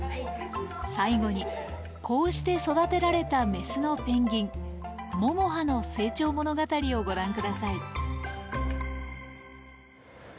最後にこうして育てられたメスのペンギンももはの成長物語をご覧下さい。